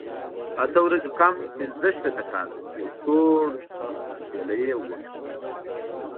اته ورځې کم پنځه شپېته کاله، یو سوړ اسویلی یې وکړ.